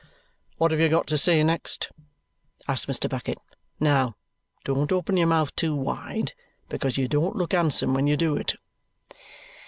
"What have you got to say next?" asks Mr. Bucket. "Now, don't open your mouth too wide, because you don't look handsome when you do it."